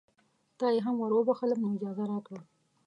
تا یې هم وروبخښلم نو اجازه راکړه.